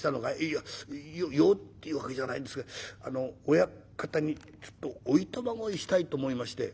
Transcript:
「いや用っていう訳じゃないんですがあの親方にちょっとお暇乞いしたいと思いまして」。